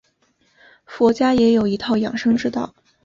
佛家也有一套养生之道。